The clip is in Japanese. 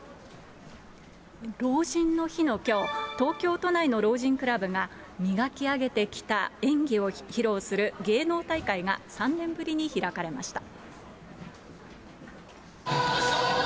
老人の日のきょう、東京都内の老人クラブが、磨き上げてきた演技を披露する芸能大会が３年ぶりに開かれました。